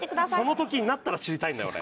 その時になったら知りたいんだよ俺。